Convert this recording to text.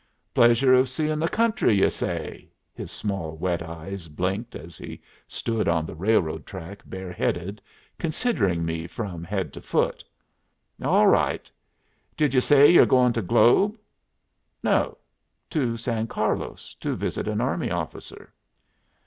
"Pleasure of seeing the country, ye say?" His small wet eyes blinked as he stood on the railroad track bareheaded, considering me from head to foot. "All right. Did ye say ye're going to Globe?" "No. To San Carlos to visit an army officer."